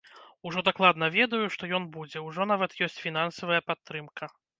Ужо дакладна ведаю, што ён будзе, ужо нават ёсць фінансавая падтрымка.